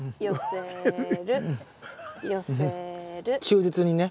忠実にね。